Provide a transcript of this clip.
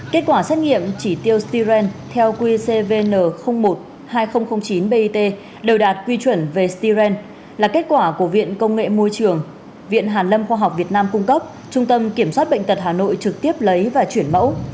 kết quả xét nghiệm chỉ tiêu styren theo qcvn một hai nghìn chín bit đều đạt quy chuẩn về styren là kết quả của viện công nghệ môi trường viện hàn lâm khoa học việt nam cung cấp trung tâm kiểm soát bệnh tật hà nội trực tiếp lấy và chuyển mẫu